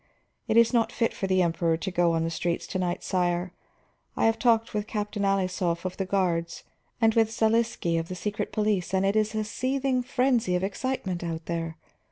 "It is not fit for the Emperor to go on the streets to night. Sire, I have talked with Captain Alisov of the guards and with Zaliski of the secret police, and it is a seething frenzy of excitement out there.